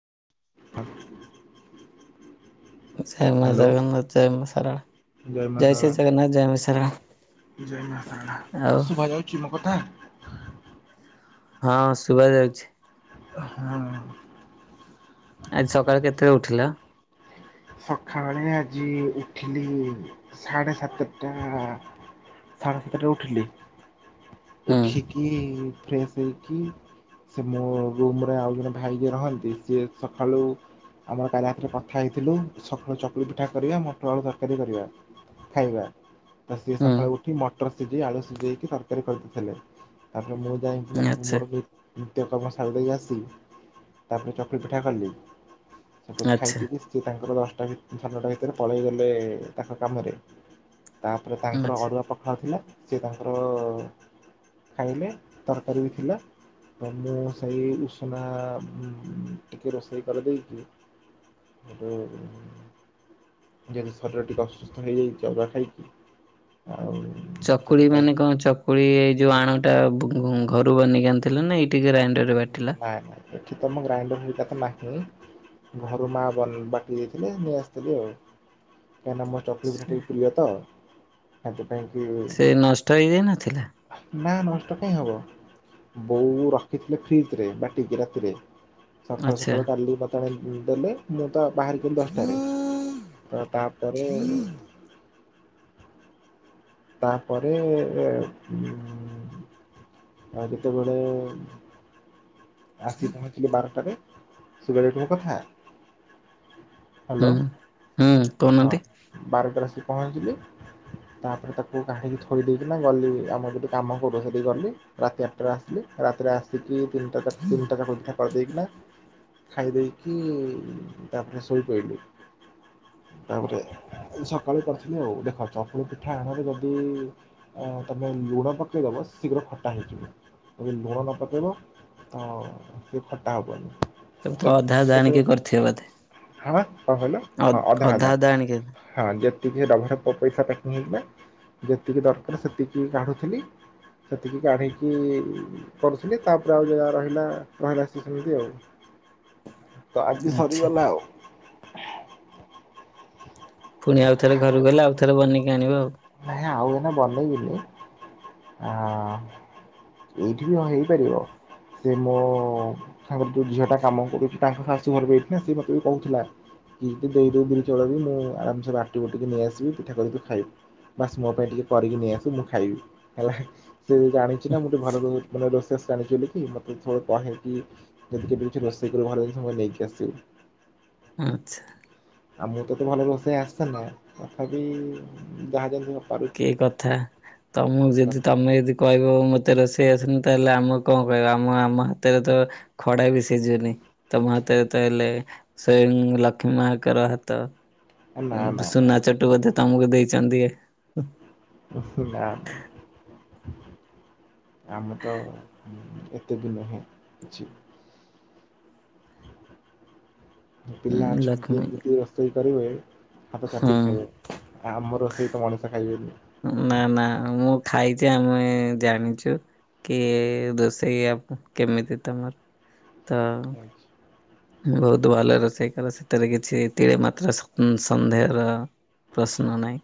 [inaudible] ଜୟ ମା ହ୍ୟାଲୋ ଜଗନ୍ନାଥ ଜୟ ମା ମା ଶାରଳା ଜୟ ଶାରଳା। ଶ୍ରୀ ଜଗନ୍ନାଥ ଜୟ ମା ସାରଳା। ଜୟ ମା ଶାରଳା ସୁଭାଯାଉଚି ମୋ କଥା? ହଁ ଶୁଭା ଯାଉଛି। ହଁ। ଆଜି ସକାଳେ କେତେଏଳେ ଉଠିଲ? ସଖାଳେରେ ଆଜି ଉଠିଲି ସାଢ଼େ ସାତଟା ସାଢ଼େ ସାତଟା ଉଠିଲି ହୁଁ ଉଠିକି ଫ୍ରେଶ୍ ହେଇକି ସେ ମୋ ରୁମ୍ ରେ ଆଉ ଜଣେ ଭାଇ ଯିଏ ରହନ୍ତି ସିଏ ସଖାଳୁ ଆମର କାଲି ରାତିରେ କଥା ହେଇ ଥିଲୁ ସକାଳୁ ଚକୁଳି ପିଠା କରିବା ମୋଟର ଆଳୁ ତର୍କାରୀ କରିବା ଖାଇବା ତ ସିଏ ହୁଁ ସକାଳୁ ଉଠି ମଟର ସିଝେଇ ଆଳୁ ସିଝେଇକି ତରକାରୀ କରିଦେଇଥିଲେ ତା ଆ ମୁଁ ଯାଇଁକି ନା ସବୁ ଆଚ୍ଛା ମୋର ବି ତ୍ୟକ୍ରମ ଶାରି ଦେଇ ଆସିଲି ତାପରେ ଚକୁଳି ପିଠା ଖାଇଲି ତାପରେ ଖାଇ ଆଚ୍ଛା ପିଇି କି ତାଙ୍କର ଦଶଟା ଭି ସାଢେ ନ ଟା ଭିତରେ ପଳେଇ ଗଲେ ତାଙ୍କ କାମରେ ତାପରେ ତାଙ୍କର ଆଚ୍ଛା। ଅରୁଆ ପଖାଳ ଥିଲା ସେ ତାଙ୍କର ଖାଇଲେ ତରକାରୀ ବି ଥିଲା। ତ ମୁଁ ସେଇ ଉଷୁନା ଉଁ ଟିକେ ରୋଷେଇ କରିଦେଇକି ହେଟୁ ଯେହେତୁ ଶରୀର ଟିକେ ଅସୁସ୍ଥ ହେଇ ଯାଇଛି ଅରୁଆ ଖାଇକି ଆଉ ଚକୁଳି ସେଥିପାଇଁ ମାନେ କଁ ଚକୁଳି ଯୋଉ ଆଣଟା ବ ଘରୁ ବନେଇକି ଆଣିଥିଲ ନା ଏଇ ଟିକି ଗ୍ରାଇଡଂର ରେ ବାଟିଲା କି ତମ ଗ୍ରାଇଣ୍ଡର [unintelligible] ନାହିଁ ଘରୁ ମା ବନ୍ ବାଟି ଦେଇଥିଲେ ନେଇ ଆସଥିଲି ଆଉ। ନା ନା ମୋ ଚକୁଳି ପିଠା ଟିକେ ପ୍ରିୟ ତ ଆଦଲ ଯାଇଁକି ସେ ନଷ୍ଟ ହେଇଯାଇ ନଥିଲା ନା ନା ତ କାହିଁ ହେବ ବୋଉ ରଖିଥିଲେ ଫ୍ରିଜ ରେ ବାଟିକି ରାତିରେ ସକାଳୁ ଆଚ୍ଛା ସକାଳୁ ଡାଲି ମୋତେ ଆଣି ଦେଲେ ମୁଁ, ତ ବାହାରି ଗଲି ଦଶଟାରେ ତ ତାପରେ ତାପରେ ଏ ଉଁ ଆ ଯେତେବେଳେ ଆସିି ପହଞ୍ଚିଲି ବାର ଟାରେ ଶୁବାଯାଉଚି ମୋ କଥା? ହୁଁ ହ୍ୟାଲୋ ହୁଁ ହଁ କହୁନାହାନ୍ତି ବାରଟାରେ ଆସିିକି ପହଞ୍ଚିଲି ତାପରେ ତାକୁ କଢିକି ଥୋଇଦେଇକି ନା ଗଲି ଆମର ଯୋଉଠି କି କାମ କରେ ସେଇଠିକି ଗଲି ରାତି ଆଠଟାରେ ଆସିଲି ରାତିରେ ଆସିକି ତିନଟା ତିନଟା ଚା ତିନିଟା ପିଠା କରିଦେଇକି ନା ଖାଇ ଦେଇେଇକି ତାପରେ ଶୋଇପଇଲି। ତାପରେ ସକାଳୁ କରିଥିଲି ଆଉ ଦେଖ ଚକୁଳି ପିଠା ଆଣରେ ଯଦି ତମେ ଲୁଣ ପକେଇଦବ ଶୀଘ୍ର ଖଟା ହେଇଯିବ ଯଦି ଲୁଣ ନ ପକେଇବ ତ ସେ ଖଟା ହବନି। ଏ ତ ଅଧା ଜାଣିକି କରିଥିବେ ବୋଧେ ହଁ କଣ କହିଲ ଅଦ ଅଦ ଅଧା ଅଧା ଆଣିକି କ ଟିକେ ଡବା [unintelligible] ପାକିଙ୍ଗ ହେଇଥିଲା ଯେତିକି ଦରକାର ସେତିକି କାଢ଼ୁଥିଲି ସେତିକି କାଢ଼ିକି କରୁଥିଲି ତାପରେ, ଆଉ ଜାହା ରହିଲା ରହିଲା ସେମିତି ଆଉ ତ ଆଜି ଆଚ୍ଛା ସରିଗଲା ଆଉ। ପୁଣି ଆଉ ଥରେ ଘରକୁ ଗଲେ ଆଉ ଥରେ ବନେଇକି ଆଣିବ ଆଉ। ନାଇଁ, ଆଉ ଏଇନା ବନେଇବିନି ଆ ଏଇଠି ବି ହ ହେଇପାରିବ। ସେ ମୋ ତାଙ୍କର ଯୋଉ ଝିଅ ଟା କାମ କରୁଛି, ତାଙ୍କ ଶାଶୁ ଘର ବି ଏଇଠି ନା ସେ ମତେ ବି କହୁଥିଲା [unintelligible] ଧୋଇ ଦୋବୁ ବିରି ଚାଉଳ ବି ମୁଁ ଆରାମ ସେ ବାଟି ବୁଟାକି ନେଇ ଆସିବି ପିଠା କରିକି ଖାଇବୁ। ବାସ, ମୋ ପାଇଁ ଟିକେ କରିକି ନେଇ ଆସିବୁ ମୁଁ ଖାଇବି। ହେଲା ସିଏ ଜାଣିଛି ନା ମୁଁ ଭଲ ମାନେ ଭଲ ରୋଷେଇ ତ ସେ ଜାଣିଚି ବୋଲିକି ମତେ ସବୁବେଳେ କହେ କି ଯଦି କେବେ କିଛି ରୋଷେଇ କରିବୁ ଘର ଜିନିଷ ମୋ ପାଇଁ ନେଇକି ଆସିବୁ। ଆଚ୍ଛା। ଆଉ ମୁଁ ତ ତ ଭଲ ରଷେଇ ଆସେନା ତଥାପି, ଯାହା ଜେମି କି କଥା ତମକୁ ଯଦି ପାରୁଛୁ। ତମେ ଯଦି କହିବ ମତେ ରୋଷେଇ ଆସୁନି ତାହେଲେ, ଆମକୁ କଣ କହିବ? ଆମ ଆମ ହାତରେ ତ ଖଡା ବି ସିଝୁନି। ତମ ହାତ ତୋର ତ ହେଲେ ସେମ ଲକ୍ଷ୍ମୀ ମାଆ ଙ୍କର ହାତ। ନା ନା ନା ନା ସୁନା ଚଟୁ ବଧେ ତମକୁ ଦେଇଛନ୍ତି। ହୁ। ନା ଆମେ ତ ଏତିକି ନୁହେଁ। କିଛି [unintelligible] ପିଲା ଅଛନ୍ତି ଲକ୍ଷ୍ମୀ ଏମିତି ରୋଷେଇ କରିବେ ହାତ ହଁ ଚାଟିକି ଖାଇବ। ଆ ଆମର କେହିତ ମଣିଷ ଖାଇବେନି। ନା ନା ମୁଁ ଖାଇଛି। ଆମେ ଜାଣିଛୁ। କି ଦୋଷେଇ ଆଉ କେମିତି ତମର ତ ମୁଁ ବହୁତ ଭଲ ରୋଷେଇ କରେ। ସେଥିରେ କିଛି ତିଳେ ମାତ୍ର ସନ୍ ସନ୍ଦେହର ପ୍ରଶ୍ନ ନାହିଁ।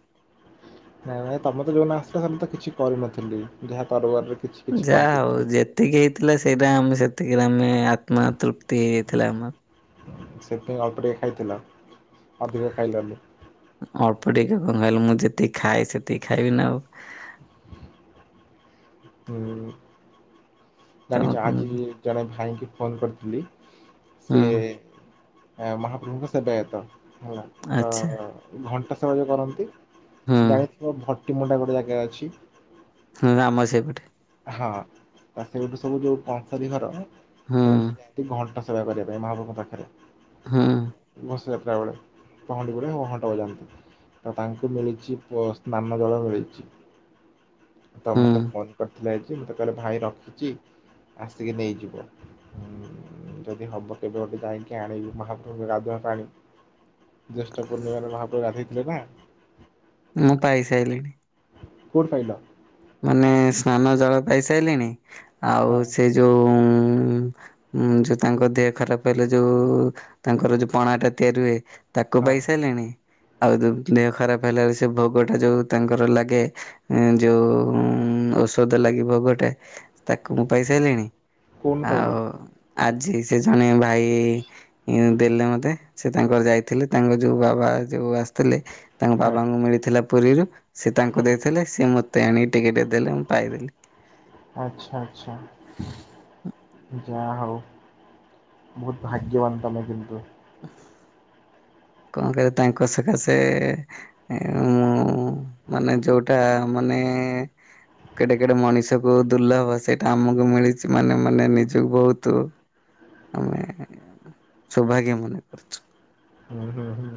ନାଇଁ ନାଇଁ ତମେ ତ ଯୋଉଦିନ ଆସିଥିଲ ସେମିତି ତ କିଛି କରିନଥିଲି। ଯାହା ତରବରରେ କିଛି କିଛି ଯାହା ହଉ କରିଦେଇଥିଲି। ଯେତିକି ହେଇଥିଲା ସେଇଟା ଆମେ ସେତିକିରେ ଆମେ ଆତ୍ମା ତୃପ୍ତି ହେଇଯାଇଥିଲା ମ୍ ମା। ସେଥିପାଇଁ ଅଳ୍ପ ଟିକେ ଖାଇଥିଲ ଅଧିକ ଖାଇଲନି? ଅଳ୍ପ ଟିକେ କଣ କହିଲି ମୁଁ ଯେତିକି ଖାଏ ସେତିକି ଖାଇବି ନା ଆଉ। ହଁ ତ ଜାଣିଛି ହୁଁ ଆଜି ଜଣେ ଭାଇକି ଫୋନ କରିଥିଲି ସିଏ ମହାପ୍ରଭୁଙ୍କ ସେବାୟତ ହେଲା ତ ଆଚ୍ଛା ଘଣ୍ଟା ସେବା ଯୋଉ କରନ୍ତି ହୁଁ ଜାଣିଥିବ ଭଟ ଟିମଣ୍ଡା ଗୋଟେ ଜାଗା ଅଛି ହୁଁ ଆମ ସେଇପଟେ। ହଁ ସେଠୁ ସବୁ ଯୋଉ ପାଞ୍ଚ ଦିନର ହୁଁ ସେମାନେ ସବୁ ଯାଆନ୍ତି ଘଣ୍ଟ ସେବା ସେବା କରିବା ପାଇଁ ମହାପ୍ରଭୁଙ୍କ ପାଖରେ। ହୁଁ। ରଥଯାତ୍ରା ବେଳେ ପହଣ୍ଡି ଉପରେ ଘଣ୍ଟ ବଜାନ୍ତି। ତ ତାଙ୍କୁ ମିଳିଛି ପ୍ ସ୍ନାନ ଜଳ ମିଳିଛି। ହୁଁ ତମେ ତ କଲ୍ ଥିଲା ଆଜି ମୋତେ କହିଲେ ଭାଇ ରଖିଛି ଆସିକି ନେଇଯିବ। ଯଦି ହବ କେବେ ଗୋଟେ ଯାଇକି ଆଣିବୁ ମହାପ୍ରଭୁ ଙ୍କ ଗାଧୁଆ ପାଣି। ଜ୍ୟେଷ୍ଠ ପୂର୍ଣ୍ଣିମାରେ ମହାପ୍ରଭୁ ଗଧୋଇଥିଲେ ନା? ମୁଁ ପାଇସାଇଲିଣି। କୋଉଠି ପାଇଲ? ମାନେ ସ୍ନାନ ଜଳ ପାଇ ସାଇଲିଣି। ଆଉ ହଁ ସେ ଯୋଉ ଉଁ ଉଁ ଯୋଉ ତାଙ୍କ ଦେହ ଖରାପ ହେଲେ ଯୋଉ ତାଙ୍କର ଯୋଉ ପଣା ଟା ତିଆରି ହୁଏ ତାକୁ ହଁ ପାଇସାଇଲିଣି। ଆଉ ଯୋଉ ଦେହ ଖରାପ ହେଲାବେଳକୁ ସେ ଭୋଗ ଟା ଯୋଉ ତାଙ୍କର ଲାଗେ ଯୋଉ ଉଁ ଔଷଧ ଲାଗି ଭୋଗଟେ ତାକୁ ମୁଁ ପାଇସାଇଲିଣି କୋଉଠୁ ପାଇଲ? ଆଉ ଆଜି ସେ ଜଣେ ଭାଇ ଦେଲେ ମତେ ସେ ତାଙ୍କର ଯାଇଥିଲେ ତାଙ୍କ ଯୋଉ ବାବା ବା ଯୋଉ ଆସିଥିଲେ ତାଙ୍କ ହଁ ବାବାଙ୍କୁ ମିଳିଥିଲା ପୁରୀରୁ ସେ ତାଙ୍କୁ ହଁ ଦେଇଥିଲେ ସିଏ ମତେ ଆଣିକି ଟିକେ ଦେଇ ଆଚ୍ଛା ଆଚ୍ଛା ଯାହା ହଉ। ବହୁତ ଭାଗ୍ୟବାନ ତମେ କିନ୍ତୁ କଣ କହିଲ ତାଙ୍କ ସକାଶେ ଏ ମୁଁ ମାନେ ଯୋଉଟା ମ ନେ କେଡ଼େ କେଡ଼େ ମଣିଷକୁ ଦୁର୍ଲଭ ସେଇଟା ଆମକୁ ମିଳିଛି ମାନେ ମାନେ ନିଜକୁ ବହୁତୁ ଆମେ ସୌଭାଗ୍ୟ ମନେ କରୁଛୁ। ହୁଁ ହୁଁ ହୁଁ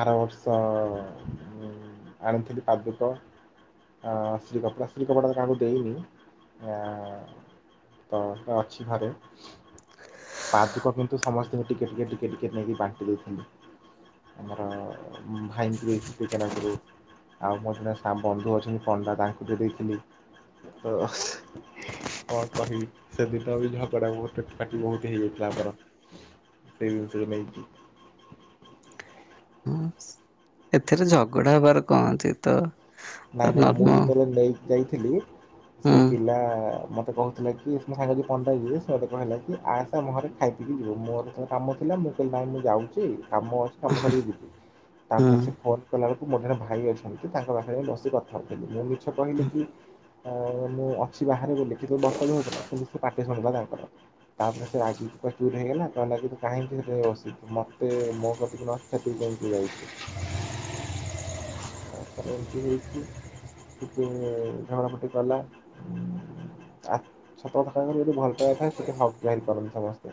ଆର ବର୍ଷ ଅ ଆଣିଥିଲି ପାଦୁକ। ଆ ଆଶ୍ରୀ କପଡ଼ା ଆଶ୍ରୀ କପଡ଼ା କାହାକୁ ଦେଇନି ଆ ତ ତ ଅଛି ଘରେ ପାଦୁକ କିନ୍ତୁ ସମସ୍ତଙ୍କୁ ଟିକେ ଟିକେ ଟିକେ ଟିକେ ଟିକେ ନେଇକି ବାଣ୍ଟି ଦେଇଥିଲି। ଆମର ଭାଇଙ୍କୁ ଦେଇଛି ଟିକେ ନାଗୁରୁ। ଆଉ ମୋର ଜଣେ ସା ବନ୍ଧୁ ଅଛନ୍ତି ପଣ୍ଡା ତାଙ୍କୁ ଯେ ଦେଇଥିଲି ତ କଣ କହିବି ସେଦିନ ବି ଝଗଡ଼ା ବହୁତ ପାଟି ବହୁତ ହେଇଯାଇଥିଲା ଆମର। ସେ ଜିନିଷକୁ ନେଇକି। ହଁ ଏଥିରେ ଝଗଡ଼ା ହବାର କଣ ଅଛି ତ ନାଇଁ ନାଇଁ ମୁଁ ନର୍ମ ଯେତେବେଳେ ନେଇ ଯାଇଥିଲି ହୁଁ ସେ ପିଲା ମ ମୋତେ କହୁଥିଲେ କି ମ ସାଙ୍ଗ ଯ କଣ୍ଟକ ଯିବେ ମତେ କହିଲା କି ଆସ ଆମ ଘରେ ଖାଇ ପି କି ଯିବୁ ମୋର କାମଥିଲା ସେଥିପାଇଁ ମୁଁ ଯାଉଛି କାମ ଅଛି କାମ ସାରିକି ଯିବି। ହୁଁ ତାପରେ ସେ ଫୋନ୍ କଲାବେଳକୁ ମୋର ଜଣେ ଭାଇ ଅଛନ୍ତି ତାଙ୍କ ପାଖରେ ବସି ବସି କଥା ହଉଥିଲି ମୁଁ ମିଛ କହିଲି କି? ମୁଁ ଅଛି ବାହାରେ ବୋଲି ଯେହେତୁ ବର୍ଷା ବି ହଉଥିଲା କିନ୍ତୁ ସେ ପାଟି ଶୁଣିଲା ତାଙ୍କର ତାପରେ ସେ ରାଗି ପ୍ରଚୁର ହେଇଗଲା କହିଲା କି ତୁ କାହିଁକି ସେ ବସିଛୁ ମତେ ମୋ ପ୍ରତି କିନ୍ତୁତିିକି କ ଯାଉଛୁ ତାପରେ ଏମିତି ହେଇକି ଟିକେ ଝଗଡ଼ା ମୁଟି କଲା। ଆ ସତ ଯଦି ଭଲ ପାଇବା ଥାଏ ସେଠି ହକ୍ ଜାହିର୍ କରିପାରନ୍ତି ସମସ୍ତେ।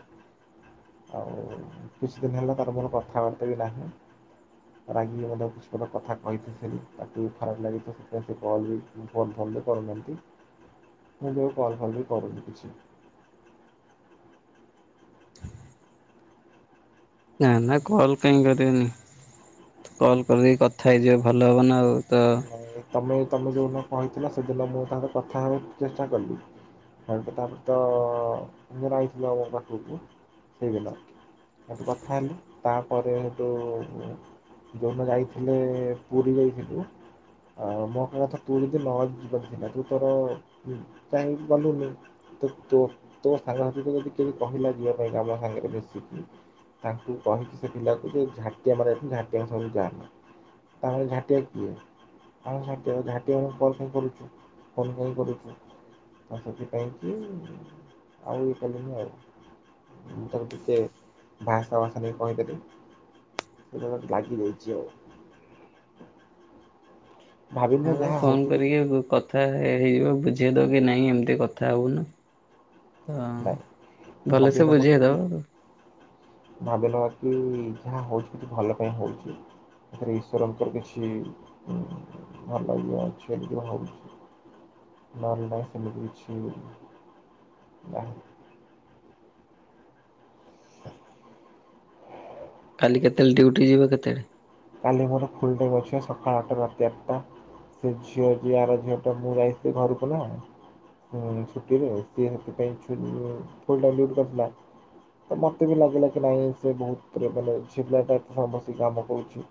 ଆଉ କିଛି ଦିନ ହେଲା ତାର ମୋର କଥାବାର୍ତ୍ତା ବି ନାହିଁ। [unintelligible] କହିଥିଲି ସେଦିନ ତାକୁୁ ବି ଖରାପ ଲାଗିଥିବ ସେଥିପାଇଁ ସେ କଲ୍ ବି ଫୋନ୍ ଫୋନରେ କରୁନାହାଁନ୍ତି। ମୁଁ ବି ଆଉ କଲ ଫଲ ବି କରୁନି କିଛି। ନା ନା କଲ କାହିଁ କରିବେନି କଲ କରିଦେଇ କଥା ହେଇଯିବ ଭଲ ହବ ନା ଆଉ। ତ ତମେ ତମେ ଯୋଉଦିନ କହିଥିଲ ସେଦିନ ମୁଁ ତାଙ୍କର କଥା ହେବାକୁ ଚେଷ୍ଟା କଲି ତାପରେ ତ ଆମେ ରହିଥିଲୁ ଆଉ ପାଖକୁ ସେଇ ଦିନ। ମୁଠୁ କଥା ହେଲି ତାପରେ ତୁ ଯଉ ଦିନ ଯାଇଥିଲେ ପୁରୀ ଯାଇଥିଲୁ ଆଉ ମୋ କହିବା କଥା ତୁ ଯଦି ନ ଯିବାର ଥିଲା ତୁ ତୋର କାହିଁକି ଗଲୁନି ତୁ ତୋ ତୋ ସାଙ୍ଗ ସାଥି ଯଦି କିଏ ବି କହିଲା ଯିବା ପାଇଁକା ଆମ ସାଙ୍ଗରେ ମିଶିକି ତାଙ୍କୁ କହିକି ସେ ପିଲାକୁ ଯେ ଝାଟିଆ ମର ଝାଟିଆ ସବୁ ଯାନା। ତାହଲେ ଝାଟିଆ କିଏ? ଆମେ ଝାଟିଆ ଝାଟିଆ ଆମେ କଲ କାଇଁ କରୁଛୁ କଲ୍ କାଇଁ କରୁଛୁ? ତ ସେଥିପାଇଁକି ଆଉ ଇଏ କଲିନି ଆଉ। ମୁଁ ତାକୁ ଟିକେ ଭାଷା ଭାଷା ଦେଇ କହିଦେଲି। ସେ ମତେ ଗାଗି ଦଉଚି ଆଉ। ଭାବିନୁ ଯାହା ଫୋନ୍ ହଉଛି କିଛି କରିକି କ କଥା ହେଇଯିବ ବୁଝେଇ ଦବ କି ନାଇଁ ଏମତି କଥା ହବୁନୁ। ତ ନାଇଁ ଭଲସେ ବୁଝେଇଦବ ଆଉ। ଭାବି ନବା କି ଯାହା ହଉଛି କିଛି ଭଲ ପାଇଁ ହଉଛି। ଏଥେରେ ଈଶ୍ୱରଙ୍କର କିଛି ଭଲ ଇଏ ଅଛି ବୋଲି କି ଭାବୁଛି। ନହେଲେ ନାହିଁ ସେମିତି କିଛି ନାହି। କାଲି କେତେବେଳେ ଡ୍ୟୁଟି ଯିବ କେତେବେଳେ? କାଲି ମୋର ଫୁଲ ଟାଇମ୍ ଅଛି ସକାଳ ଆଠ ଟା ରୁ ରାତି ଆଠଟା। ସେ ଝିଅ ଯିଏ ଆର ଝିଅ ଟା ମୁଁ ଯାଇଥିଲି ଘର କୁ ନା। ଉଁ ଛୁଟିରେ ସିଏ ସେଥିପାଇଁ ଛୁ ଫୁଲ ଟାଇମ ଡିୟୁଟି କରିଥିଲା। ତ ମତେ ବି ଲାଗିଲା କି ନାଇଁ ସେ ବହୁତ ରେ ମାନେ ଝିଅ ପିଲା ଟା ଏତେ ସମୟ ବସିକି କାମ କରୁଛି।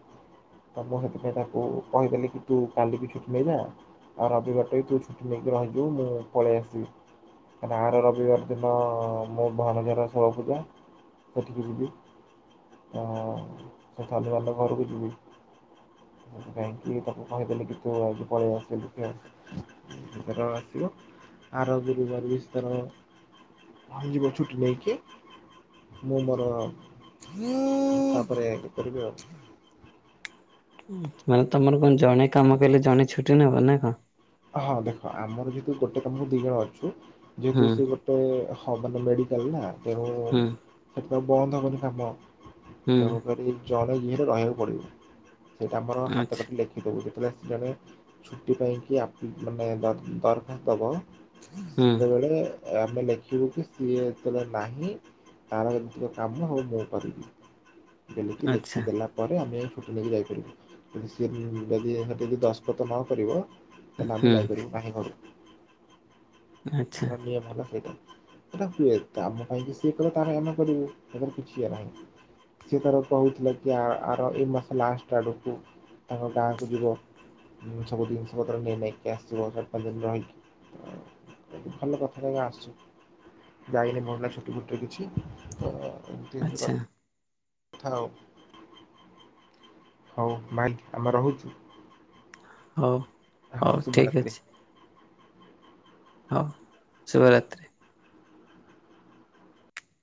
ତ ମୁଁ ସେଥିପାଇଁ ତାକୁ କହିଦେଲି କି ତୁ କାଲିି କି ଛୁଟି ନେଇ ଯା ଆଉ ରବିବାର ଟା ବି ତୁ ଛୁଟି ନେଇକି ରହ। ହି ଯିବୁ ମୁଁ ପଳେଇ ଆଶିବି। କାଇଁ ନା ଆର ରବିବାର ଦିନ ମୋ ଭଣଜାର ଷୋଳ ପୂଜା। ସେଠିକି ଯିବି ତ ସେ ଶନିବାର ଦିନ ଘରକୁ ଯିବି। ସେଥି ପାଇଁ କି ତାକୁ କହିଦେଲେ କି ତୁ ଆଜି ପଳେଇ ଆସିବୁ କି ସେ ତାର ଆସି। ଆର ଗୁରୁବାର ବି ସେ ତାର ରହି ଯିବ ଛୁଟି ନେଇକି। ମୁ ମୋର ତାପରେ କରିିବି ଆଉ। ମାନେ ତମର କଣ ଜଣେ କାମ କଲେ ଜଣେ ଛୁଟି ନବ ନା କଣ। ହଁ ଦେଖ ଆମର ଯେହେତୁ ଗୋଟେ କାମ ଦି ଜଣ ଅଛୁ ଯେହେତୁ ହୁଁ ସେ ଗୋଟେ। ହଁ ମାନେ ମେଡିକାଲ ନା ତେଣୁ ହୁଁ ସେଥିପାଇଁ ବନ୍ଦ ହବନି କାମ। ହୁଁ ତେଣୁ କରି ଜଣେ ଯିଏ ହେଲେ ରହିବାକୁ ପଡିବ ସେଇଟା ଆମର ହାତ ଆଚ୍ଛା କାଟି ଲେଖିଦବୁ ସେ ପିଲା ଆସିଛି ଜଣେ ଛୁଟି ପାଇଁକି ଆ ମାନେ ଦ-ଦରଖାସ୍ତ ଦବ। ହୁଁ ସେତେବେଳେ ଆମେ ଲେଖିବୁ କି ସିଏ ଏତେବେଳେ ନାହିଁ। ତାର ଏମିତି କା‌ କାମ ହୁଏ ମୁଁ କରିବି ବେଲିକି ଆଚ୍ଛା ଲେଖିଦେଲା ପରେ ଆମେ। ଛୁଟି ନେଇକି ଯାଇପାରିବୁ ଯଦି ସିଏ ଯଦି ସେଠି ଦସ୍ତଖତ ନ କରିବ। ତାହେଲେ ଆମେ ହୁଁ ଯାଇପାରିବୁ ନାହିଁ ଘର କୁ। ଆଚ୍ଛା [unintelligible] ମେନ୍ ହେଲା ସେଇଠି। ସେଟା ହୁଏ ତ ଆମ ପାଇଁ ବି ସିଏ କଲା ତା ଲାଗି ଆମେ କରିବୁ ସେଥିରେ କିଛି ଇଏ ନାହିଁ। ସେ ତାର କହୁଥିଲା କି ଆ-ଆର ଏ ମାସ ଲାଷ୍ଟ ଆଡ଼କୁ ତାଙ୍କ ଗାଁକୁ ଯିବ। ମୁ ସବୁ ଜିନିଷ। ରହି ରାଇକା ଆସିବ ଚାରି ପାଞ୍ଚ ଦିନ ରହିକି ଭଲ କଥା ଆସୁ। ଯାଇନି ମୁଁ ଏଇନା ଛୁଟି ଫୁଟି ରେ କିଛି ତ ‌। ଆଛା। ଯାଉ ହଉ ଭାଇ ଆମେ ରହୁଛୁ। ହଉ ହଁ ହଉ ଶୁଭ ଠିକ୍ ରାତ୍ରି। ହଁ ଶୁଭ ରାତ୍ରୀ।